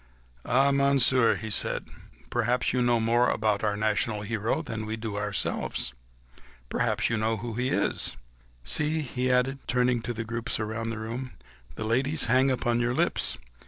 "Faith, then, Monsieur," he said, "perhaps you know more about our national hero than we do ourselves ... perchance you know who he is. ... See!" he added, turning to the groups round the room, "the ladies hang upon your lips